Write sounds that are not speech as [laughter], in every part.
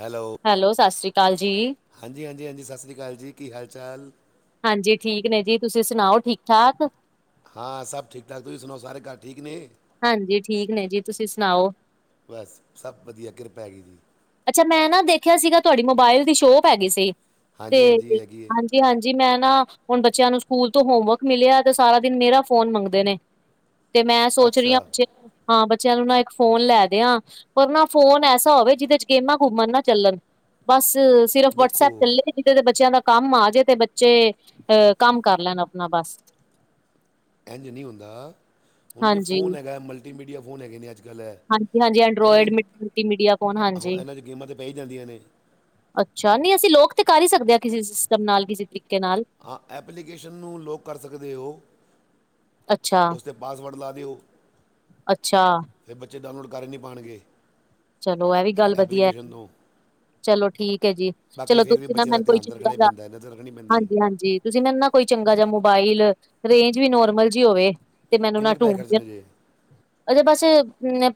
Hello, hello, ਸਸ ਰੀ ਕਾਲ ਜੀ। ਹਾਂਜੀ -ਹਾਂਜੀ- ਹਾਂਜੀ ਸਸ ਰੀ ਕਾਲ ਜੀ, ਕੀ ਹਾਲ- ਚਾਲ? ਹਾਂਜੀ ਠੀਕ ਨੇ ਜੀ, ਤੁਸੀਂ ਸੁਣਾਓ ਠੀਕ ਠਾਕ। ਹਾਂ ਸਭ ਠੀਕ ਠਾਕ, ਤੁਸੀਂ ਸੁਣਾਓ ਸਾਰੇ ਘਰ ਠੀਕ ਨੇ। ਹਾਂਜੀ ਠੀਕ ਨੇ ਜੀ, ਤੁਸੀਂ ਸੁਣਾਓ ਬਸ ਸਭ ਵਧੀਆ, ਕਿਰਪਾ ਹੈਗੀ। ਅੱਛਾ ਮੈਂ ਨਾ ਦੇਖਿਆ ਸੀਗਾ, ਤੁਹਾਡੀ ਮੋਬਾਇਲ ਦੀ ਸ਼ੋਪ ਹੈਗੀ ਸੀ, ਤੇ ਹਾਂਜੀ ਹੈਗੀ ਹੈ ਹਾਂਜੀ। ਜੀ ਹਾਂਜੀ, ਮੈਂ ਨਾ ਹੁਣ ਬੱਚਿਆਂ ਨੂੰ ਸਕੂਲ ਤੋਂ ਹੋਮਵਰਕ ਮਿਲਿਆ, ਤੇ ਸਾਰਾ ਦਿਨ ਮੇਰਾ ਫੋਨ ਮੰਗਦੇ ਨੇ। [unintelligible] ਤੇ ਮੈਂ ਸੋਚ ਰਹੀ ਆਂ ਅੱਛਾ ਹਾਂ ਬੱਚਿਆਂ ਨੂੰ ਨਾ ਇੱਕ ਫੋਨ ਲੈ ਦਿਆ, ਪਰ ਨਾ ਫੋਨ ਐਸਾ ਹੋਵੇ ਜਿਹਦੇ ਚ ਗੇਮਾਂ ਘੁੰਮਣ ਨਾ ਚੱਲਣ, ਬਸ ਸਿਰਫ ਦੇਖੋ ਵਟਸਐਪ ਚੱਲੇ। ਬੱਚਿਆਂ ਦਾ ਕੰਮ ਆ ਜੇ, ਤੇ ਬੱਚੇ ਅਹ ਕੰਮ ਕਰ ਲੈਣ ਆਪਣਾ ਬਸ। ਇੰਝ ਨਹੀਂ ਹੁੰਦਾ। ਹੁਣ ਜੇ ਹਾਂਜੀ ਫੋਨ ਹੈਗਾ ਮਲਟੀਮੀਡੀਆ ਫੋਨ ਹੈਗੇ ਨੇ, ਅੱਜ ਕੱਲ੍ਹ ਐਹ ਹਾਂਜੀ-ਹਾਂਜੀ ਇਹਨਾਂ ਦੇ ਐਂਡਰੋਇਡ ਮਲਟੀਮੀਡੀਆ ਫੋਨ ਹਾਂਜੀ ਉਹ ਇਹਨਾਂ ਚ ਗੇਮਾਂ ਤੇ ਪੈ ਹੀ ਜਾਂਦੀਆਂ ਨੇ। ਅੱਛਾ ਨਹੀਂ, ਅਸੀਂ ਲੋਕ ਤੇ ਕਰ ਹੀ ਸਕਦੇ ਆਂ ਕਿਸੇ ਸਿਸਟਮ ਨਾਲ, ਕਿਸੇ ਤਰੀਕੇ ਨਾਲ। ਹਾਂ ਐਪਲੀਕੇਸ਼ਨ ਨੂੰ ਲੋਕ ਕਰ ਸਕਦੇ ਹੋ। ਅੱਛਾ, ਉਸ 'ਤੇ ਪਾਸਵਰਡ ਲਾ ਦਿਓ। ਅੱਛਾ, ਤੇ ਬੱਚੇ ਡਾਊਨਲੋਡ ਕਰ ਨਹੀਂ ਪਾਣਗੇ। ਚਲੋ ਇਹ ਵੀ ਗੱਲ ਵਧੀਆ ਹੈ। ਚਲੋ ਠੀਕ ਹੈ ਜੀ, ਬਾਕੀ ਚਲੋ ਫਿਰ ਵੀ ਤੁਸੀਂ ਨਾ ਬੱਚਿਆਂ ਦਾ ਮੈਨੂੰ ਕੋਈ ਧਿਆਨ ਤਾਂ ਚੰਗਾ ਰੱਖਣਾ ਹੀ ਜਾ, ਪੈਂਦਾ ਨਜ਼ਰ ਰੱਖਣੀ ਪੈਂਦੀ ਹੈ ਹਾਂਜੀ- ਹਾਂਜੀ। ਤੁਸੀਂ ਮੈਨੂੰ ਨਾ ਕੋਈ ਚੰਗਾ ਜਾ ਮੋਬਾਈਲ, ਰੇਂਜ ਵੀ ਨੋਰਮਲ ਜੀ ਹੋਵੇ। ਤੇ ਮੈਨੂੰ ਨਾ ਕਿੰਨੇ ਕੁ ਪੈਸੇ ਢੂੰਢ ਦੇ ਖਰਚਣੇ ਜੇ ਆ, ਬਸ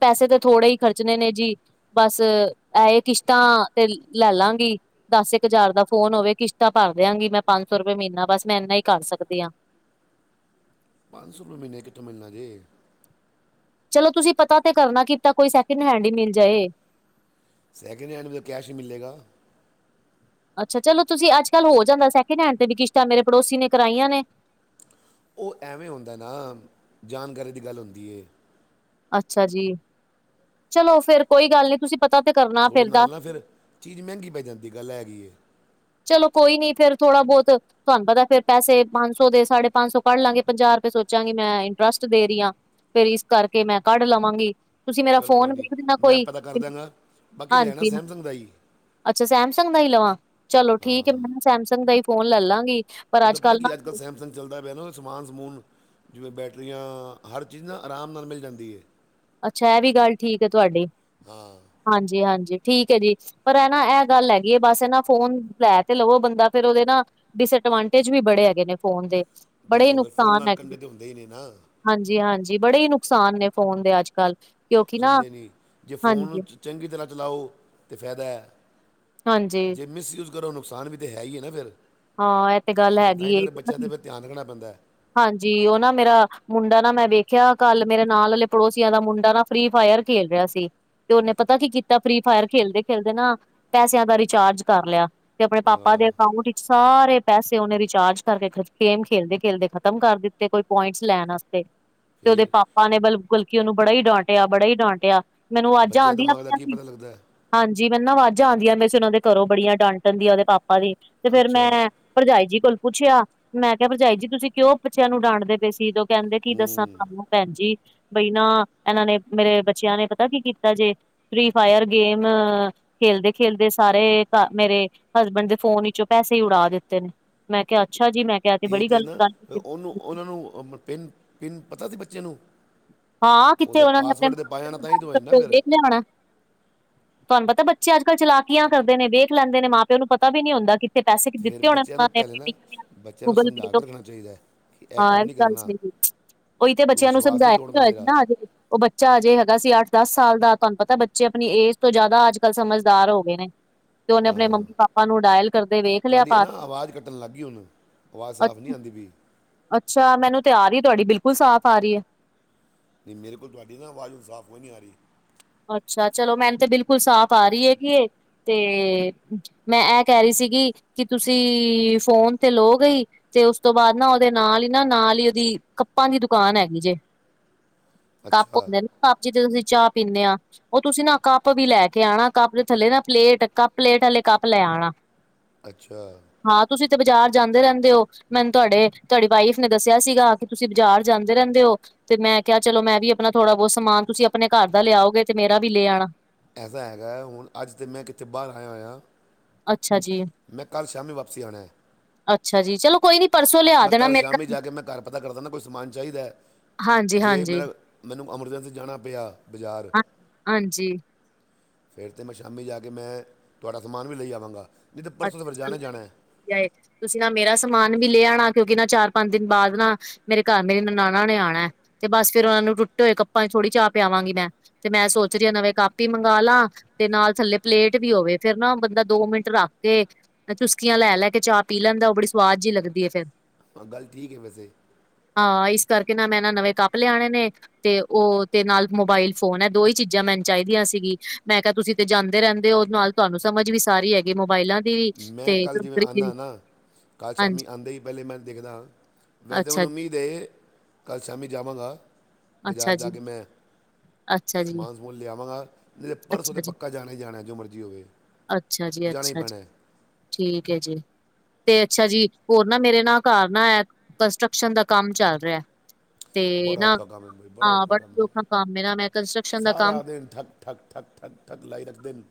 ਪੈਸੇ ਤੇ ਥੋੜੇ ਹੀ ਖਰਚਣੇ ਨੇ ਜੀ। ਬਸ ਇਹ ਕਿਸ਼ਤਾਂ ਤੇ ਲੈ ਲਾਂਗੀ। ਦਸ ਕ ਹਜ਼ਾਰ ਦਾ ਫੋਨ ਹੋਵੇ, ਕਿਸ਼ਤਾਂ ਭਰ ਦਿਆਂਗੀ ਮੈਂ ਪੰਜ ਕ ਸੌ ਰੁਪਏ ਮਹੀਨਾ, ਬਸ ਮੈਂ ਇੰਨਾ ਹੀ ਕਰ ਸਕਦੀ ਆਂ। ਪੰਜ ਸੌ ਰੁਪਏ ਮਹੀਨੇ ਕਿੱਥੇ ਮਿਲਨਾ ਜੇ। ਚਲੋ ਤੁਸੀਂ ਪਤਾ ਤਾਂ ਕਰਨਾ, ਕੀ ਪਤਾ ਕੋਈ ਸੈਕਿੰਡ ਹੈਂਡ ਹੀ ਮਿਲ ਜਾਏ। ਸੈਕਿੰਡ ਹੈਂਡ ਵੀ ਤਾਂ ਕੈਸ਼ ਹੀ ਮਿਲੇਗਾ। ਅੱਛਾ ਚਲੋ ਤੁਸੀਂ ਅੱਜ ਕੱਲ ਹੋ ਜਾਂਦਾ ਸੈਕਿੰਡ ਹੈਂਡ ਤੇ ਵੀ ਕਿਸ਼ਤਾਂ ਮੇਰੇ ਪੜੋਸੀ ਨੇ ਕਰਾਈਆਂ ਨੇ ਉਹ ਐਵੇਂ ਹੁੰਦਾ ਨਾ ਜਾਣਕਾਰੀ ਦੀ ਗੱਲ ਹੁੰਦੀ ਹੈ। ਅੱਛਾ ਜੀ ਚਲੋ ਫੇਰ ਕੋਈ ਗੱਲ ਨੀ ਤੁਸੀਂ ਪਤਾ ਤੇ ਕਰਨਾ ਥੋੜੇ ਫੇਰ ਦਾ ਨਾਲ ਨਾ ਫਿਰ ਚੀਜ਼ ਮਹਿੰਗੀ ਪੈ ਜਾਂਦੀ ਗੱਲ ਇਹ ਹੈਗੀ। ਚਲੋ ਕੋਈ ਨੀ ਫੇਰ ਥੋੜਾ ਬਹੁਤ ਤੁਹਾਨੂੰ ਪਤਾ ਫੇਰ ਪੈਸੇ ਪੰਜ ਸੌ ਦੇ ਸਾਢੇ ਪੰਜ ਸੌ ਕੱਢ ਲਾਂਗੇ ਪੰਜਾਹ ਰੁਪਏ ਸੋਚਾਂਗੀ ਮੈਂ ਇੰਟਰਸਟ ਦੇ ਰਹੀ ਹਾਂ ਫਿਰ ਇਸ ਕਰਕੇ ਮੈਂ ਕੱਢ ਲਵਾਂਗੀ [inaudible] ਚਲ ਕੋਈ ਨਹੀਂ ਮੈਂ ਪਤਾ ਕਰ ਦਾਂਗਾ ਬਾਕੀ ਲੈਣਾ ਸੈਮਸੰਗ ਦਾ ਹੀ ਅੱਛਾ ਸੈਮਸੰਗ ਦਾ ਹੀ ਲਵਾਂ ਚਲੋ ਠੀਕ ਹੈ ਹਾਂ ਮੈਂ ਸੈਮਸੰਗ ਦਾ ਹੀ ਫੋਨ ਲੈ ਲਾਂਗੀ ਪਰ ਉਹੱਦ ਪਤਾ ਕੱਲ ਕੀ ਨਾ ਅੱਜ ਕੱਲ੍ਹ ਸੈਮਸਗ ਚੱਲਦਾ ਪਿਆ ਨਾ ਸਮਾਨ ਸਮੂਨ ਜਿਵੇਂ ਬੈਟਰੀਆਂ ਹਰ ਚੀਜ਼ ਨਾ ਆਰਾਮ ਨਾਲ ਮਿਲ ਜਾਂਦੀ ਹੈ। ਅੱਛਾ ਇਹ ਵੀ ਗੱਲ ਠੀਕ ਹੈ ਤੁਹਾਡੀ ਹਾਂ ਹਾਂਜੀ ਹਾਂਜੀ ਠੀਕ ਹੈ ਜੀ ਪਰ ਇਹ ਨਾ ਇਹ ਗੱਲ ਹੈਗੀ ਹੈ ਬਸ ਇਹ ਨਾ ਫੋਨ ਲੈ ਤੇ ਲਵੋ ਬੰਦਾ ਫੇਰ ਉਹਦੇ ਨਾ ਡਿਸਐਡਵਾਂਟੇਜ ਵੀ ਬੜੇ ਹੈਗੇ ਨੇ ਫੋਨ ਦੇ ਦੇਖੋ ਫਿਰ ਫੁੱਲ ਨਾਲ ਕੰਢੇ ਤਾਂ ਹੁੰਦੇ ਹੀ ਨਹੀਂ ਨਾ ਹਾਂਜੀ ਹਾਂਜੀ ਬੜੇ ਹੀ ਨੁਕਸਾਨ ਨੇ ਫ਼ੋਨ ਦੇ ਅੱਜ ਕੱਲ੍ਹ ਸਮਝੇ ਨਹੀਂ ਜੇ ਫੋਨ ਚੰਗੀ ਤਰ੍ਹਾਂ ਚਲਾਓ ਤਾਂ ਫਾਇਦਾ ਹੈ ਹਾਂਜੀ-ਹਾਂਜੀ ਜੇ ਮਿਸਯੂਜ ਘਰੋਂ ਨੁਕਸਾਨ ਵੀ ਤਾਂ ਹੈ ਹੀ ਹੈ ਨਾ ਫਿਰ ਹਾਂ ਇਹ ਤੇ ਗੱਲ ਉਹ ਤਾਂ ਹੈਗੀ ਹੀ ਤਾਂ ਫਿਰ ਬੱਚਿਆਂ ਏ 'ਤੇ ਫਿਰ ਧਿਆਨ ਰੱਖਣਾ ਪੈਂਦਾ ਹਾਂਜੀ ਉਹ ਨਾ ਮੇਰਾ ਮੁੰਡਾ ਨਾ ਮੈਂ ਵੇਖਿਆ ਕੱਲ ਮੇਰੇ ਨਾਲ ਵਾਲੇ ਪੜੋਸੀਆਂ ਦਾ ਮੁੰਡਾ ਨਾ ਫਰੀ ਫਾਇਰ ਖੇਲ ਰਿਹਾ ਸੀ ਤੇ ਉਹਨੇ ਪਤਾ ਕੀ ਕੀਤਾ ਫਰੀ ਫਾਇਰ ਖੇਲਦੇ ਖੇਲਦੇ ਨਾ ਪੈਸਿਆਂ ਦਾ ਰਿਚਾਰਜ ਕਰ ਲਿਆ ਤੇ ਆਪਣੇ ਪਾਪਾ ਹਾਂ ਦੇ ਅਕਾਊਂਟ ਵਿਚ ਸਾਰੇ ਪੈਸੇ ਉਹਨੇ ਰਿਚਾਰਜ ਕਰਕੇ ਖਰਚ ਗੇਮ ਖੇਲਦੇ ਖੇਲਦੇ ਖਤਮ ਕਰ ਦਿੱਤੇ ਕੋਈ ਪੁਆਇੰਟਸ ਲੈਣ ਵਾਤੇ ਤੇ ਉਹਦੇ ਫਿਰ ਪਾਪ ਬਲ ਗੁਲਕੀ ਉਹਨੂੰ ਬੜਾ ਹੀ ਡਾਂਟਿਆ ਬੜਾ ਹੀ ਡਾਂਟਿਆ ਮੈਨੂੰ ਅੱਜ ਬੱਚਿਆਂ ਦੇ ਆਉਂਦੀਆਂ ਹੀਆਂ ਦਿਮਾਗ ਦਾ ਪਈਆਂ ਕੀ ਸੀ ਪਤਾ ਲੱਗਦਾ ਹੈ? ਹਾਂਜੀ ਮੈਨੂੰ ਨਾ ਆਵਾਜ਼ਾਂ ਆਉਂਦੀਆਂ ਪਈਆ ਸੀ ਉਹਨਾਂ ਦੇ ਘਰੋਂ ਬੜੀਆਂ ਡਾਂਟਣਦੀ ਆ ਉਹਦੇ ਪਾਪਾ ਦੀ ਤੇ ਫ਼ਿਰ ਮੈਂ ਅੱਛਾ ਭਰਜਾਈ ਜੀ ਕੋਲ ਪੁੱਛਿਆ ਮੈਂ ਕਿਹਾ ਭਰਜਾਈ ਜੀ ਤੁਸੀਂ ਕਿਉਂ ਬੱਚਿਆਂ ਨੂੰ ਡਾਂਡਦੇ ਪਏ ਸੀ ਕਹਿੰਦੇ ਕੀ ਦੱਸਾਂ ਹੂੰ ਤੁਹਾਨੂੰ ਭੈਣ ਜੀ ਬਈ ਨਾ ਇਹਨਾਂ ਨੇ ਮੇਰੇ ਬੱਚਿਆਂ ਨੇ ਪਤਾ ਕੀ ਕੀਤਾ ਜੇ ਫ੍ਰੀ ਫਾਇਰ ਗੇਮ ਖੇਲਦੇ - ਖੇਲਦੇ ਸਾਰੇ ਮੇਰੇ ਹਸਬੈਂਡ ਦੇ ਫੋਨ ਵਿੱਚੋਂ ਪੈਸੇ ਉਡਾ ਦਿੱਤੇ ਨੇ। ਮੈਂ ਕਿਹਾ ਅੱਛਾ ਜੀ ਮੈਂ ਕਿਹਾ ਇਹ ਬੜੀ ਤੇ ਗਲਤ ਨਾ, ਗੱਲ ਕੀਤੀ ਉਹਨੂੰ ਉਹਨਾਂ ਨੂੰ ਪਿੰਨ ਪਿੰਨ ਪਤਾ ਸੀ ਬੱਚੇ ਨੂੰ। ਹਾਂ ਕਿੱਥੇ ਉਹਦਾ ਉਹਨਾਂ ਨੇ ਆਪਣੇ ਪਾਸਵਰਡ ਤੇ ਮਾਂ- ਪਾਇਆ ਨਾ ਤਾਂ ਹੀ ਤਾਂ ਹੋਇਆ ਨਾ ਪਿਓ ਫਿਰ ਨੂੰ ਤੇ ਲਿਆਉਣਾ? ਕਿੱਥੇ ਉਹਨਾਂ ਨੇ ਆਪਣੇ ਮਾਂ- ਪਿਓ ਨੂੰ ਲਿਆਉਣਾ? ਤੇ ਪੈਸੇ ਫਿਰ ਦਿੱਤੇ ਹੋਣੇ, ਬੱਚਿਆਂ ਉਹਨਾ ਨੂੰ ਨੇ, ਪਹਿਲੇ ਪੀ- ਨਾ ਪੀ ਬੱਚਿਆਂ ਨੂੰ ਗੂਗਲ ਪੇ ਸਮਝਾ ਕੇ ਤੋਂ। ਰੱਖਣਾ ਚਾਹੀਦਾ ਹੈ ਕਿ ਇਹ ਕੰਮ ਹਾਂ ਨਹੀਂ ਗੱਲ ਕਰਨਾ ਸਹੀ ਉਹੀ ਤੇ ਤੂੰ ਬੱਚਿਆਂ ਨੂੰ ਵਿਸ਼ਵਾਸ ਨਹੀਂ ਸਮਝਾਇਆ ਵੀ ਤੋੜਨਾ ਹੋਇਆ ਸੀ ਮੇਰਾ ਨਾ [unintelligible] ਉਹ ਬੱਚਾ ਅਜੇ ਹੈਗਾ ਸੀ, ਅੱਠ - ਦਸ ਸਾਲ ਦਾ। ਤੁਹਾਨੂੰ ਪਤਾ, ਬੱਚੇ ਆਪਣੀ ਏਜ ਤੋਂ ਜ਼ਿਆਦਾ ਆਜ। ਕੱਲ੍ਹ ਸਮਝਦਾਰ ਹੋ ਗਏ ਨੇ। ਤੇ ਓਹਨੇ ਆਪਣੇ ਹਾਂ ਮੰਮੀ - ਪਾਪਾ ਨੂੰ ਡਾਇਲ ਕਰਦੇ ਵੇਖ ਲਿਆ, ਤੁਹਾਡੀ ਪਾ ਨਾ ਆਵਾਜ਼ ਕੱਟਣ ਲੱਗ ਗਈ ਹੁਣ ਆਵਾਜ਼ ਸਾਫ਼ ਨਹੀਂ ਆਉਦੀ ਪਈ। ਅੱਛਾ, ਮੈਨੂੰ ਤੇ ਆ ਰਹੀ ਹੈ। ਤੁਹਾਡੀ ਬਿਲਕੁਲ ਸਾਫ਼ ਆ ਰਹੀ ਹੈ। ਨਹੀਂ, ਮੇਰੇ ਕੋਲ ਤੁਹਾਡੀ ਨਾ ਆਵਾਜ਼ ਹੁਣ ਸਾਫ਼ ਕੋਈ ਨਹੀਂ ਆ ਰਹੀ। ਅੱਛਾ ਚਲੋ ਮੈਨੂੰ ਤੇ ਬਿਲਕੁਲ ਸਾਫ਼ ਆ ਰਹੀ ਹੈਗੀ ਇਹ ਤੇ ਮੈਂ ਇਹ ਕਹਿ ਰਹੀ ਸੀਗੀ ਕਿ ਤੁਸੀਂ ਫੋਨ ਤੇ ਲੋ ਗਈ ਤੇ ਉਸ ਤੋਂ ਬਾਅਦ ਨਾ ਉਹਦੇ ਨਾਲ ਹੀ ਨਾ ਨਾਲ ਹੀ ਉਹਦੀ ਕੱਪਾਂ ਦੀ ਦੁਕਾਨ ਹੈਗੀ ਜੇ [inaudible] ਕੱਪ ਹੁੰਦੇ ਨਾ ਕੱਪ ਜਿਥ ਤੁਸੀਂ ਚਾਹ ਪੀਂਦੇ ਆ ਉਹ ਤੁਸੀਂ ਨਾ ਕੱਪ ਵੀ ਲੈ ਕੇ ਆਉਣਾ ਕੱਪ ਦੇ ਥੱਲੇ ਨਾ ਪਲੇਟ ਕੱਪ ਪਲੇਟ ਵਾਲੇ ਕੱਪ ਲੈ ਆਉਣਾ ਅੱਛਾ ਹਾਂ, ਤੁਸੀਂ ਤੇ ਬਾਜ਼ਾਰ ਜਾਂਦੇ ਰਹਿੰਦੇ ਹੋ। ਮੈਨੂੰ ਤੁਹਾਡੇ ਤੁਹਾਡੀ ਵਾਈਫ ਨੇ ਦੱਸਿਆ ਸੀਗਾ ਕਿ ਤੁਸੀਂ ਬਾਜ਼ਾਰ ਜਾਂਦੇ ਰਹਿੰਦੇ ਹੋ। ਤੇ ਮੈਂ ਕਿਹਾ, 'ਚਲੋ ਮੈਂ ਵੀ ਆਪਣਾ ਥੋੜ੍ਹਾ- ਬਹੁਤ ਸਮਾਨ। ਤੁਸੀਂ ਆਪਣੇ ਘਰ ਦਾ ਲਿਆਓਗੇ ਤੇ ਮੇਰਾ ਵੀ ਲੈ ਆਉਣਾ। ਐਸਾ ਹੈਗਾ ਹੁਣ, ਅੱਜ ਤੇ ਮੈਂ ਕਿੱਥੇ ਬਾਹਰ ਆਇਆ ਹੋਇਆ। ਅੱਛਾ ਜੀ, ਮੈਂ ਕੱਲ ਸ਼ਾਮੇ ਵਾਪਸੀ ਆਣਾ ਹੈ ਅੱਛਾ ਜੀ, ਚਲੋ ਕੋਈ ਨੀ। ਪਰਸੋਂ ਲਿਆ ਮੈਂ ਦੇਣਾ, ਕੱਲ ਮੇਕ ਸ਼ਾਮੇ ਜਾ ਕੇ ਮੈਂ ਘਰ ਪਤਾ ਕਰਦਾ ਨਾ, ਕੋਈ ਸਮਾਨ ਚਾਹੀਦ ਹਾਂਜੀ ਜੇ? ਮੇ ਹਾਂਜੀ ਮੈਨੂੰ ਐਮਰਜੈਂਸੀ ਜਾਣਾ ਪਿਆ। ਬਜ਼ਾਰ ਹਾਂ ਹਾਂਜੀ ਫਿਰ ਤਾਂ ਮੈਂ ਸ਼ਾਮੀ ਜਾ ਕੇ ਮੈਂ, ਤੁਹਾਡਾ ਸਮਾਨ ਵੀ ਲਈ ਆਵਾਂਗਾ। ਨਹੀਂ ਤੇ ਪਰਸੋਂ ਤਾਂ ਅੱਛਾ ਫਿਰ ਜਾਣਾ ਚਲ, ਹੀ ਜਾਣਾ ਹੈ ਆ ਤੁਸੀਂ ਨਾ ਮੇਰਾ ਸਮਾਨ ਵੀ ਲੇ ਆਣਾ। ਕਿਉਂਕਿ ਨਾ ਚਾਰ - ਪੰਜ ਦਿਨ ਬਾਅਦ ਨਾ ਮੇਰੇ ਘਰ ਮੇਰੀ ਨ ਨਾਣਾ ਨੇ ਆਉਣਾ, ਤੇ ਬਸ ਫੇਿਰ ਉਹਨਾਂ ਨੂੰ ਟੁੱਟੇ ਹੋਏ ਕੱਪਾਂ 'ਚ ਥੋੜੀ ਚਾਹ ਪਿਆਵਾਂਗੀ ਮੈਂ। ਤੇ ਮੈਂ ਸੋਚ ਰਹੀ ਹਾਂ, ਨਵੇਂ ਕਪ ਹੀ ਮਗਵਾਲਾ। ਤੇ ਨਾਲ ਥੱਲੇ ਪਲੇਟ ਵੀ ਹੋਵੇ, ਫੇਰ ਨਾ ਬੰਦਾ ਦੋ ਮਿੰਟ ਰੱਖ ਤੇ ਚੁਸਕੀਆਂ ਲੈ ਲੈ ਕੇ ਚਾਹ ਪੀ ਲੈਂਦਾ, ਉਹ ਬੜੀ ਸੁਵਾਦ ਜੀ ਲੱਗਦੀ ਏ ਫੇਰ। ਹਾਂ, ਗੱਲ ਠੀਕ ਹੈ ਵੈਸੇ। ਹਾਂ, ਇਸ ਕਰਕੇ ਨਾ, ਮੈਂ ਨਾ ਨਵੇਂ ਕੱਪ ਲਿਆਣੇ ਨੇ। ਤੇ ਉਹ ਤੇ ਨਾਲ ਮੋਬਾਇਲ ਫੋਨ ਹੈ, ਦੋ ਹੀ ਚੀਜ਼ਾਂ ਮੈਨੂੰ ਚਾਹੀਦੀਆਂ ਸੀਗੀ। ਮੈਂ ਕਿਹਾ ਤੁਸੀਂ ਤੇ ਜਾਂਦੇ ਰਹਿੰਦੇ ਹੋ ਨਾਲ। ਤੁਹਾਨੂੰ ਸਮਝ ਵੀ ਸਾਰੀ ਹੈਗੀ ਮੋਬਾਇਲਾਂ ਦੀ ਵੀ ਮੈਂ ਤੇ ਕੱਲ੍ਹ ਜਿਵੇਂ ਕੰਪਿਊਟਰ ਦੀ ਵੀ। ਆਨਾ ਨਾ, ਕੱਲ੍ਹ ਸ਼ਾਮੀ ਹਾਂਜੀ, ਆਂਦੇ ਹੀ। ਪਹਿਲੇ ਮੈਂ ਦੇਖਦਾ, ਵੈਸੇ ਅੱਛਾ ਮੈਨੂੰ ਜੀ, ਉਮੀਦ ਹੈ। ਕੱਲ੍ਹ ਸ਼ਾਮੀ ਜਾਵਾਂਗਾ। ਬਜ਼ਾਰ ਅੱਛਾ ਜਾ ਜੀ, ਕੇ ਮੈ ਅੱਛਾ ਜੀ, ਸਮਾਨ ਓਹ, ਲਿਆਵਾਂਗਾ ਤੇ ਪਰਸੋ ਤੇ ਅੱਛਾ ਜੀ। ਪੱਕਾ ਜਾਣਾ ਹੀ ਜਾਣਾ। ਜੋਂ ਮਰਜ਼ੀ ਹੋਵੇ, ਅੱਛਾ ਜੀ, ਜਾਣਾ ਹੀ ਅੱਛਾ ਜੀ, ਪੈਣਾ। ਠੀਕ ਹੈ ਜੀ। ਤੇ ਅੱਛਾ ਜੀ, ਹੋਰ ਨਾ ਮੇਰੇ ਨਾਲ ਘਰ ਨਾ ਹੈ ਕੰਸਟਰਕਸ਼ਨ ਦਾ ਕੰਮ ਚੱਲ ਰਿਹਾ। ਤੇ ਬੜਾ ਨਾ ਔਖਾ ਕੰਮ ਹੈ ਬਈ ਹਾਂ, ਔਖਾ ਬੜਾ ਕੰਮ ਸੌਖਾ ਕੰਮ ਏ ਨਾ ਮੈਂ ਕੰਸਟਰਕਸ਼ਨ ਦਾ ਕੰਮ ਠੱਕ -ਠਕ - ਠਕ -ਠਕ- ਠਕ ਲਾਈ ਰੱਖਦੇ ਨੇ,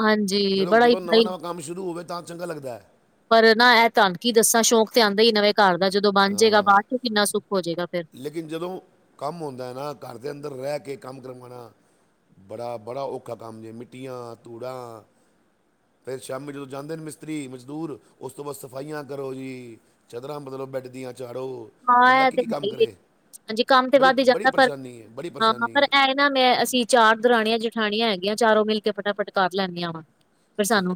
ਹਾਂਜੀ, ਜਦੋਂ - ਬੜਾ ਜਦੋਂ ਨਵਾਂ ਹੀ - ਨਵਾਂ ਕੰਮ ਸ਼ੁਰੂ ਹੋਵੇ ਤਾਂ ਚੰਗਾ ਲੱਗਦਾ ਹੈ। ਪਰ ਨਾ, ਇਹ ਤੁਹਾਨੂ ਕੀ ਦੱਸਾਂ। ਸ਼ੌਂਕ ਤੇ ਆਉਂਦਾ ਹੀ ਨਵੇਂ ਘਰ ਦਾ। ਜਦੋਂ ਬਣ ਜਾਏਗਾ ਹਾਂ ਬਾਅਦ 'ਚ ਕਿੰਨਾ ਸੁੱਖ ਹੋ ਜਾਏਗਾ ਫ਼ਿਰ। ਲੇਕਿਨ ਜਦੋਂ ਕੰਮ ਹੁੰਦਾ ਨਾ, ਘਰ ਦੇ ਅੰਦਰ ਰਹਿ ਕੇ ਕੰਮ ਕਰੂੰਗਾ। ਬੜਾ- ਬੜਾ ਔਖਾ ਕੰਮ ਜੇ। ਮਿੱਟੀਆਂ - ਧੂੜਾਂ। ਫਿਰ ਸ਼ਾਮੀ ਜਦੋਂ ਜਾਂਦੇ ਨੇ ਮਿਸਤਰੀ - ਮਜ਼ਦੂਰ, ਉਸ ਤੋਂ ਬਾਅਦ ਸਫਾਈਆਂ ਕਰੋ ਜੀ। ਚਦਰਾਂ ਬਦਲੋ ਬੈਡ ਦੀਆਂ ਝਾੜੋ। ਬੰਦਾ ਹਾਂ ਇਹ ਕੀ ਤੇ ਕੀ ਹੈ ਕੰਮ ਹੀ ਕਰੇ ਹਾਂਜੀ ਕੰਮ ਤੇ ਬੜੀ ਵੱਧ ਹੀ ਬੜੀ ਜਾਂਦਾ ਪਰ ਪਰੇਸ਼ਾਨੀ ਹੈ ਬੜੀ ਹਾਂ ਹਾਂ ਪਰੇਸ਼ਾਨੀ ਹੈ ਪਰ ਨਾ ਮੈਂ ਅਸੀਂ ਚਾਰ ਦਰਾਣੀਆਂ ਜਠਾਣੀਆਂ ਹੈਗੀਆਂ ਚਾਰੋਂ ਮਿਲ ਕੇ ਫਟਾਫਟ ਕਰ ਲੈਂਦੀਆਂ ਵਾਂ ਫਿਰ ਅੱਛਾ ਸਾਨੂੰ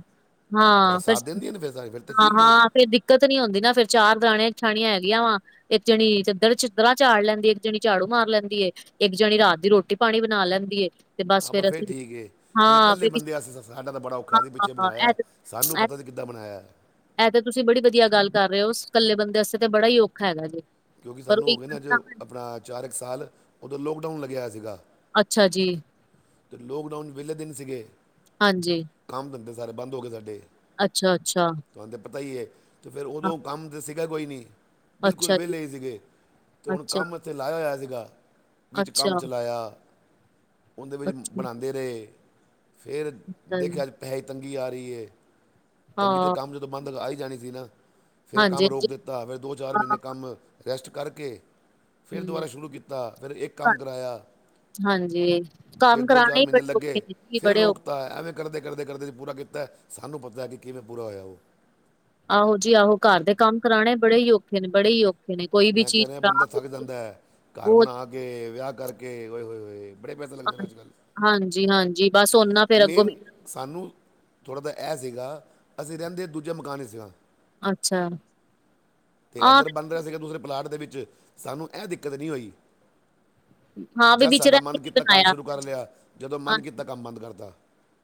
ਤੁਹਾਡਾ ਹਾਂ ਫਿਰ ਸਾਥ ਦਿੰਦੀਆਂ ਨੇ ਫਿਰ ਸਾਰੇ ਫਿਰ ਤਾਂ ਹਾਂ ਠੀਕ ਹੈ ਹਾਂ ਫਿਰ ਦਿੱਕਤ ਨਹੀਂ ਹੁੰਦੀ ਨਾ ਫੇਰ ਚਾਰ ਦੁਰਾਣੀਆਂ ਜਠਾਣੀਆਂ ਹੈਗੀਆਂ ਵਾ ਇੱਕ ਜਣੀ ਚਿੱਦਰ ਚਿੱਦਰਰਾਾਂ ਚਾੜ ਲੈਂਦੀਏ ਇੱਕ ਜਣੀ ਝਾੜੂ ਮਾਰ ਲੈਂਦੀ ਏ ਇੱਕ ਜਣੀ ਰਾਤ ਦੀ ਰੋਟੀ ਪਾਣੀ ਬਣਾ ਲੈਂਦੀ ਏ ਤੇ ਬਸ ਹਾਂ ਬ ਫੇਰ ਅਸੀਂ ਠੀਕ ਹੈ ਜ ਹਾਂ ਇਕੱਲੇ ਫਿਰ ਬੰਦੇ ਅਸੀਂ ਸਾਡਾ ਤਾਂ ਬੜਾ ਹਾਂ ਔਖਾ ਸੀ ਪਿੱਛੇ ਹਾਂ ਬਣਾਇਆ ਇਹ ਸਾਨੂੰ ਪਤਾ ਸੀ ਕਿੱਦਾਂ ਬਣਾਇਆ ਹੈ ਇਹ ਤੇ ਤੁਸੀਂ ਬੜੀ ਵਧੀਆ ਗੱਲ ਕਰ ਰਹੇ ਹੋ ਇਕੱਲੇ ਬੰਦੇ ਵਸਤੇ ਤਾਂ ਬੜਾ ਹੀ ਔਖਾ ਹੈਗਾ ਜੀ ਕਿਉਂਕਿ ਪਰ ਉਹ ਸਾਨੂੰ ਹੋ ਗਏ ਇੱਕ ਨਾ ਅੱਜ ਆਪਣਾ ਚਾਰ ਇੱਕ ਸਾਲ ਉਦੋਂ ਲੋਕਡਾਊਨ ਲੱਗਿਆ ਸੀਗਾ ਅੱਛਾ ਜੀ ਅਤੇ ਲੋਕਡਾਊਨ ਵਿਹਲੇ ਦਿਨ ਸੀਗੇ ਹਾਂ ਜੀ। ਕੰਮ ਧੰਦੇ ਸਾਰੇ ਬੰਦ ਹੋ ਗਏ ਸਾਡੇ। ਅੱਛਾ - ਅੱਛਾ। ਤੈਨੂੰ ਤਾਂ ਪਤਾ ਹੀ ਹੈ, ਫਿਰ ਹਾਂ ਉਦੋਂ ਕੰਮ ਤਾਂ ਸੀਗਾ ਕੋਈ ਨਹੀਂ। ਬਿਲਕੁਲ ਅੱਛਾ ਜੀ ਵਿਹਲੇ ਹੀ ਸੀਗੇ। ਤੇ ਹੁਣ ਅੱਛਾ ਕੰਮ ਇੱਥੇ ਲਾਇਆ ਹੋਇਆ ਸੀਗਾ। ਵਿੱਚ ਕੰਮ ਅੱਛਾ ਚਲਾਇਆ। ਉਹਦੇ ਵਿੱਚ ਅੱਛਾ ਬਣਾਉਂਦੇ ਰਹੇ ਫਿਰ ਅੱਛਾ ਜੀ ਦੇਖਿਆ ਪੈਸੇ ਤੰਗੀ ਆ ਰਹੀ ਹੈ ਹਾਂ ਤੰਗੀ ਦੇ ਕੰਮ ਜਦੋਂ ਬੰਦ ਆਈ ਜਾਣੇ ਸੀ ਨਾ ਫਿਰ ਹਾਂਜੀ ਕੰਮ ਰੋਕ ਹਾਂਜੀ ਦਿੱਤਾ ਫਿਰ ਦੋ ਚਾਰ ਹਾਂ ਮਹੀਨੇ ਕੰਮ ਰੈਸਟ ਕਰਕੇ ਫਿਰ ਦੁਬਾਰਾ ਹੂੰ ਸ਼ੁਰੂ ਕੀਤਾ ਫਿਰ ਇੱਕ ਕੰਮ ਕਰਾਇਆ ਹਾਂਜੀ ਕੰਮ ਕਰਾਉਣੇ ਹੀ ਬੜੇ ਔਖੇ ਨੇ ਸੀ ਬੜੇ ਔਖੇ ਤਾ ਐਵੇਂ ਕਰਦੇ ਕਰਦੇ ਕਰਦੇ ਪੂਰਾ ਕੀਤਾ ਸਾਨੂੰ ਪਤਾ ਹੈ ਕਿ ਕਿਵੇਂ ਪੂਰਾ ਹੋਇਆ ਉਹ ਆਹੋ ਜੀ ਆਹੋ ਘਰ ਦੇ ਕੰਮ ਕਰਾਉਣੇ ਬੜੇ ਹੀ ਔਖੇ ਨੇ ਬੜੇ ਹੀ ਔਖੇ ਨੇ ਕੋਈ ਵੀ ਮੈਂ ਕਹਿ ਚੀਜ਼ ਰਿਹਾ ਬੰਦਾ ਖਰਾਬ ਹੋ ਥੱਕ ਗਈ ਜਾਂਦਾ ਹੈ ਘਰ ਬਹੁਤ ਬਣਾ ਗੇ ਵਿਆਹ ਕਰਕੇ ਹੋਏ ਹੋਏ ਹੋਏ ਬੜੇ ਪੈਸੇ ਲੱਗਦੇ ਨੇ ਅੱਜ ਕੱਲ੍ਹ ਹਾਂਜੀ ਹਾਂਜੀ ਬਸ ਓਨਾ ਫੇਿਰ ਅੱਗੋਂ ਮੇਨ ਮਿਲ ਸਾਨੂੰ ਥੋੜ੍ਹਾ ਜ ਇਹ ਸੀਗਾ ਅਸੀਂ ਰਹਿੰਦੇ ਦੂਜਾ ਮਕਾਨ ਹੀ ਸੀਗਾ ਅੱਛਾ ਤੇ ਹਾਂ ਇੱਧਰ ਬੰਣ ਰਿਹਾ ਸੀਗਾ ਦੂਸਰੇ ਪਲਾਟ ਦੇ ਵਿੱਚ ਸਾਨੂੰ ਇਹ ਦਿੱਕਤ ਨਹੀਂ ਹੋਈ ਫਿਰ- ਹਾਂ ਵੀ ਜਦ ਵਿਚ ਸਾਡਾ ਰਹਿ ਮਨ ਕੇ ਨੀ ਕੀਤਾ ਕੰਮ ਬਣਾਇਆ ਸ਼ੁਰੂ ਕਰ ਲਿਆ ਜਦੋਂ ਮਨ ਕੀਤਾ ਕੰਮ ਬੰਦ ਕਰਤਾ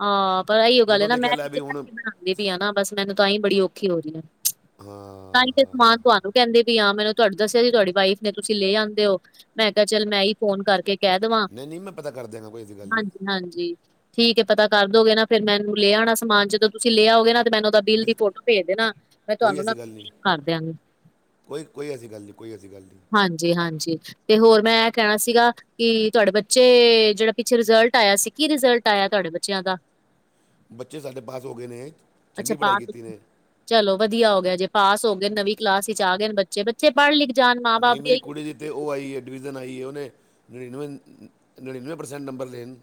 ਆਹ ਪਰ ਇਹੀਓ ਗੱਲ ਜਦੋਂ ਨਾ ਮੈਂ ਦੇਖਿਆ ਲੈ ਵੀ ਹੁਣ ਬਣਾਉਂਦੀ ਪਾਇ ਆ ਨਾ ਬਸ ਮੈਨੂੰ ਤਾਂਹੀ ਬੜੀ ਔਖੀ ਹੋ ਰਹੀ ਆ ਹਾਂ ਤਾਂ ਹੀ ਤੇ ਹਾਂ ਹਾਂ ਸਮਾਨ ਹਾਂ। ਤੁਹਾਨੂੰ ਕਹਿੰਦੇ ਵੀ ਆਾਂ ਮੈਨੂੰ ਤੁਹਾਡੇ ਦੱਸਿਆ ਸੀ ਤੁਹਾਡੀ ਵਾਈਫ ਨੇ ਤੁਸੀਂ ਲੈ ਆਦੇ ਹੋ ਮੈਂ ਕਿਹਾ ਚੱਲ ਮੈਂ ਹੀ ਫੋਨ ਕਰਕੇ ਕਹਿ ਦੇਵਾਂ ਨਹੀਂ ਨਹੀਂ ਮੈਂ ਪਤਾ ਕਰ ਦਿਆਂਗਾ ਕੋਈ ਐਸੀ ਗੱਲ ਨਹੀਂ ਹਾਂਜੀ ਹਾਂਜੀ ਠੀਕ ਹੈ ਪਤਾ ਕਰ ਦੋਗੇ ਨਾ ਫੇਿਰ ਮੈਨੂੰ ਲਿਆ ਆਣਾ ਸਮਾਨ ਜਦੋਂ ਤੁਸੀਂ ਲਿਆ ਆਓਗੇ ਨਾ ਤੇ ਮੈਨੂੰ ਬਿੱਲ ਦੀ ਬਿਲਕੁਲ ਫੋਟੋ ਭੇਜ ਦੇ ਨਾ ਮੈਂ ਕੋਈ ਤੁਹਾਨੂੰ ਨਾ ਐਸੀ ਗੱਲ ਨਹੀਂ ਪੇਟੀਐਮ ਕਰ ਦਿਆਂਗੀ ਕੋਈ ਕੋਈ ਐਸੀ ਗੱਲ ਨਹੀਂ ਕੋਈ ਐਸੀ ਗੱਲ ਨਹੀਂ ਹਾਂਜੀ ਹਾਂਜੀ ਤੇ ਹੋਰ ਮੈਂ ਇਹ ਕਹਿਣਾ ਸੀਗਾ ਕਿ ਤੁਹਾਡੇ ਬੱਚੇ ਜਿਹੜਾ ਪਿੱਛੇ ਰਿਜਲਟ ਆਇਆ ਸੀ ਕੀ ਰਿਜਲਟ ਆਇਆ ਤੁਹਾਡੇ ਬੱਚਿਆਂ ਦਾ ਬੱਚੇ ਸਾਡੇ ਪਾਸ ਹੋ ਗਏ ਨੇ ਚੰਗੀ ਅੱਛਾ ਪੜ੍ਹਾਈ ਪਾਸ ਕੀਤੀ ਨੇ ਚਲੋ ਵਧੀਆ ਹੋ ਗਿਆ ਜੇ ਪਾਸ ਹੋ ਗਏ ਨਵੀਂ ਕਲਾਸ ਵਿਚ ਆ ਗਏ ਬੱਚੇ ਬੱਚੇ ਪੜ੍ਹ ਲਿਖ ਜਾਣ ਮਾਂ ਬਾਪ ਦੀ ਇਹੀਓ ਅਤੇ ਉਹ ਆਈਏ ਡਿਵੀਜ਼ਨ ਆਈਏ ਉਹਨੇ ਨੜਿਨਵੇਂ ਨੜਿਨਵੇਂ ਪ੍ਰਸੈਂਟ ਨੰਬਰ ਲਏ ਨ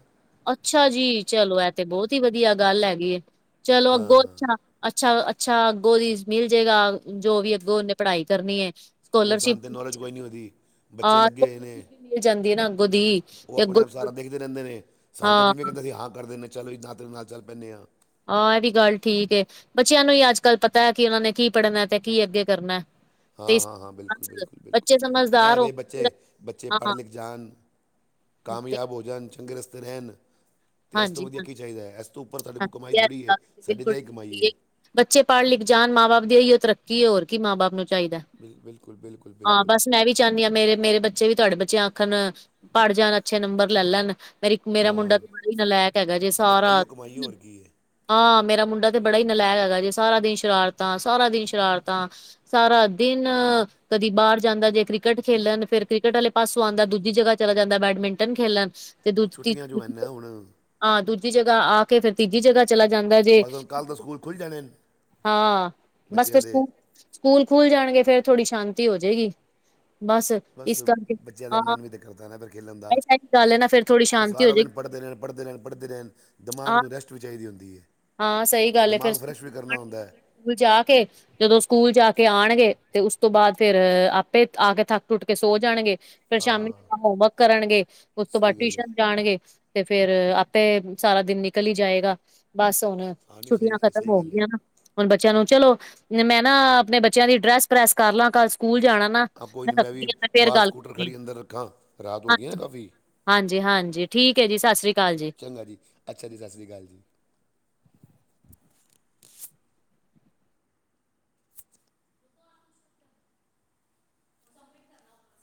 ਅੱਛਾ ਜੀ ਚਲੋ ਐ ਤੇ ਬਹੁਤ ਹੀ ਵਧੀਆ ਗੱਲ ਹੈਗੀ ਚਲੋ ਅੱਗੋਂ ਹਾਂ ਅੱਛਾ ਅੱਛਾ ਅੱਛਾ ਅੱਗੋਂ ਦੀ ਮਿਲ ਜਾੇਗਾ ਜੋ ਵੀ ਅੱਗੋਂ ਉਹਨੇ ਪੜ੍ਹਾਈ ਕਰਨੀ ਹੈ ਹੁਣ ਸਕਾਲਰਸ਼ਿਪ ਸਾਨੂੰ ਤੇ ਨੌਲੇਜ ਕੋਈ ਨਹੀਂ ਉਹਦੀ ਬੱਚੇ ਲੱਗੇ ਹੋਏ ਨੇ ਮਿਲ ਜਾਂਦੀ ਹੈ ਨਾ ਅੱਗੋਂ ਦੀ ਉਹ ਤੇ ਆਪਣੇ ਅੱਗੋ ਆਪ ਦੀ ਸਾਰਾ ਦੇਖਦੇ ਰਹਿੰਦੇ ਨੇ ਸਾਨੂੰ ਜਿਵੇਂ ਕਹਿੰਦੇ ਅਸੀ ਹਾਂ ਕਰਦੇ ਚਲੋ ਇ ਨਾ ਤੇਰੇ ਨਾਲ ਚੱਲ ਪੈਂਨੇ ਹਾਂ ਆਹ ਇਹ ਵੀ ਗੱਲ ਠੀਕ ਏ ਬੱਚਿਆਂ ਨੂੰ ਹੀ ਅੱਜ ਕੱਲ ਪਤਾ ਹੈ ਕਿ ਉਹਨਾ ਨੇ ਕੀ ਪੜ੍ਹਨਾ ਤੇ ਕੀ ਅੱਗੇ ਕਰਨਾ ਤੇ ਹਾਂ ਇਸ ਹਾਂ ਹਾਂ ਬਿਲਕੁਲ ਬਿਲਕੁਲ ਬਿਲਕੁਲ ਬੱਚੇ ਸਮਝਦਾਰ ਹੋ ਐਵੇ ਬੱਚੇ ਬੱਚੇ ਪੜ੍ਹ ਹਾਂ ਲਿਖ ਜਾਣ ਤੇ ਕਾਮਯਾਬ ਹੋ ਜਾਣ ਚੰਗੇ ਰਸਤੇ ਰਹਿਣ ਤੇ ਇਸ ਤੋਂ ਹਾਂਜੀ ਹਾਂ ਵਧੀਆ ਕੀ ਚਾਹੀਦਾ ਹੈ ਇਸ ਤਾਂ ਉੱਪਰ ਸਾਡੇ ਕੋਲ ਕਮਾਈ ਹਾਂਜੀ ਅੱਜ ਥੋੜ੍ਹੀ ਹੈ ਕੱਲ ਤੁਸੀਂ ਬਿਲਕੁਲ ਸਾਡੀੇਤੇ ਇਹ ਠੀਕ ਕਮਾਈ ਹੈ ਕਹੀਏ। ਬੱਚੇ ਪੜ੍ਹ ਲਿਖ ਜਾਣ ਮਾਂ ਬਾਪ ਦੀ ਇਹੀ ਉਹ ਤਰੱਕੀ ਹੋਰ ਕੀ ਮਾਂ ਬਾਪ ਨੂੰ ਚਾਹੀਦਾ ਬਿਲ ਬਿਲਕੁਲ ਬਿਲਕੁਲ ਹਾਂ ਬਿਲਕੁਲ ਬਸ ਮੈਂ ਵੀ ਚਾਹਦੀ ਹ ਮੇਰੇ ਮੇਰੇ ਬੱਚੇ ਵੀ ਤੁਹਾਡੇ ਬੱਚੇ ਆਖਣ ਪੜ ਜਾਣ ਅੱਛੇ ਨੰਬਰ ਲੈ ਲੈਣ ਮੇਰਾ ਮੁੰਡਾ ਹਾਂ ਤੇ ਬੜਾ ਹੀ ਨਲੈਕ ਹੈਗਾ ਜੇ ਬਸ ਸਾਰਾ ਇਹੀਓ ਕਮਾਈ ਦਿਨ ਹੋਰ ਕੀ ਹੈ ਹਾਂ ਮੇਰਾ ਮੁੰਡਾ ਤੇ ਬੜਾ ਹੀ ਨਲਾਇਕ ਹੈਗਾ ਜੇ, ਸਾਰਾ ਦਿਨ ਸ਼ਰਾਰਤਾਂ ਸਾਰਾ ਦਿਨ ਸ਼ਰਾਰਤਾਂ। ਸਾਰਾ ਦਿਨ। ਕਦੀ ਬਾਹਰ ਜਾਂਦਾ ਜੇ ਕ੍ਰਿਕਟ ਖੇਲਣ ਫੇਰ ਕ੍ਰਿਕਟ ਵਾਲੇ ਪਾਸੋਂ ਆਉਂਦਾ ਦੂਜੀ ਜਗ੍ਹਾ ਚਲਾ ਜਾਂਦਾ ਬੈਡਮਿੰਟਨ ਖੇਲਣ ਸ ਤੇ ਉਹ ਦੂਜ ਤੀਜ ਛੁੱਟੀਆਂ ਜੋ ਹਨ [unintelligible] ਨਾ ਹੁਣ ਹਾਂ ਦੂਜੀ ਜਗ੍ਹਾ ਆ ਕੇ ਫਿਰ ਤੀਜੀ ਜਗ੍ਹਾ ਚਲਾ ਜਾਂਦਾ ਜੇ ਬਸ ਸ ਹੁਣ ਕੱਲ੍ਹ ਤਾਂ ਸਕੂਲ ਖੁੱਲ੍ਹ ਜਾਣੇ ਨੇ [inaudible] ਹਾਂ। ਬਸ ਬੱਚਿਆਂ ਫਿਰ ਦੇ ਸਕੂ। ਸਕੂਲ ਖੁੱਲ ਜਾਣਗੇ ਫੇਰ ਥੋੜ੍ਹੀ ਸ਼ਾਂਤੀ ਹੋ ਜਏਗੀ, ਬਸ। ਬਸ ਇਸ ਕਰਕੇ ਬੱਚਿਆਂ ਦਾ ਹਾਂ ਮਨ ਵੀ ਤੇ ਕਰਦਾ ਏ ਨਾ ਏਦਰ ਖੇਲਣ ਦਾ। ਇਹ ਸਾਰੀ ਗੱਲ ਹੈ ਨਾ ਫੇਰ ਥੋੜ੍ਹੀ ਉਹ ਸ਼ਾਂਤੀ ਹੋ ਸਾਰਾ ਦਿਨ ਜਾਏਗੀ ਪੜ੍ਹਦੇ ਰਹਿਣ, ਪੜ੍ਹਦੇ ਰਹਿਣ, ਪੜ੍ਹਦੇ ਰਹਿਣ, ਹਾਂ ਦਿਮਾਗ ਨੂੰ ਰੈਸਟ ਵੀ ਚਾਹੀਦੀ ਹੁੰਦੀ ਹੈ। ਹਾਂ ਸਹੀ ਗੱਲ ਏ ਫੇਰ ਦਿਮਾਗ ਸਕੂਲ ਫਰੈੱਸ਼ ਵੀ ਕਰਨਾ ਜਾਣਗੇ ਨਾ, ਹੁੰਦਾ ਹੈ। ਫਿਰ ਸਕੂਲ ਜਾ ਕੇ ਸ ਜਦੋਂ ਸਕੂਲ ਜਾ ਕੇ ਆਣਗੇ ਤੇ ਉਸ ਤੋਂ ਬਾਅਦ ਫਿਰ ਅ ਅ ਆਪੇ ਆ ਕੇ ਥੱਕ ਟੁੱਟ ਕੇ ਸੋ ਜਾਣਗੇ। ਫੇਰ ਸ਼ਾਮੀ ਹਾਂ ਹੋ ਹੋਮਵਰਕ ਕਰਣਗੇ ਸ ਉਸ ਤੋਂ ਬਾਅਦ ਸਹੀ ਗੱਲ ਹੈ ਟੁਇਸ਼ਣ ਜਾਣਗੇ ਸ ਤੇ ਫੇਰ ਆਪੇ ਮ ਸਾਰਾ ਦਿਨ ਨਿਕਲ ਈ ਜਾਏਗਾ ਸ ਬਸ ਹੁਣ। ਹਾਂ ਨਹੀਂ ਸਹੀ ਛੁੱਟੀਆਂ ਗੱਲ ਖਤਮ ਸਹੀ ਹੋ ਗੱਲ ਹੈ ਗਈਆਂ ਹਨ। ਹੁਣ ਬੱਚਿਆਂ ਨੂੰ, ਚਲੋ ਨਿ ਮੈਂ ਨਾ ਆ ਆਪਣੇ ਬੱਚਿਆਂ ਦੀ ਡਰੈੱਸ ਪ੍ਰੈਸ ਕਰ ਲਾਂ ਕੱਲ ਸਕੂਲ ਜਾਣਾ। ਮੈਂ, ਹਾਂ ਕੋਈ ਮੈਂ ਨਹੀਂ ਰੱਖਦੀ ਵੀ ਹਾਂ ਮੈਂ ਫਿਰ ਬਾਹਰ ਗੱਲ ਸਕੂਟਰ ਕਰਦੀ ਹਾਂ ਖੜੀ ਅੰਦਰ ਰੱਖਾਂ ਰਾਤ [inaudible] ਹੋ ਗਈ ਨਾ ਹਾਂਜੀ। ਕਾਫੀ ਹਾਂਜੀ-ਹਾਂਜੀ, ਠੀਕ ਏ ਜੀ, ਸਤਿ ਸ਼੍ਰੀ ਅਕਾਲ ਜੀ। ਚੰਗਾ ਜੀ। ਅੱਛਾਜੀ, ਸਤਿ ਸ਼੍ਰੀ ਅਕਾਲ ਜੀ।